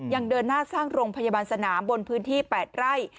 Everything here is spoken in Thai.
เดินหน้าสร้างโรงพยาบาลสนามบนพื้นที่๘ไร่